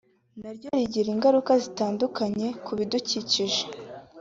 na ryo rigira ingaruka zitandukanye ku bidukikije